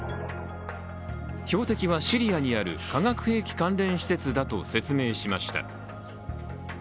標的はシリアにある化学兵器関連施設だと説明しました。